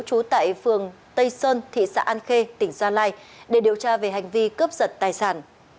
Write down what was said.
trú tại phường tây sơn thị xã an khê tỉnh gia lai để điều tra về hành vi cướp giật tài sản